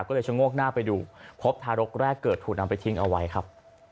ก็เลยชะโงกหน้าไปดูพบทารกแรกเกิดถูกนำไปทิ้งเอาไว้ครับ